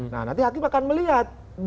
nah nanti hakim akan melihat